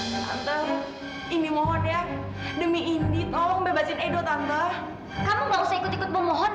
temen temen ini mohon ya demi ini tolong bebasin edo tante kamu mau ikut ikut memohon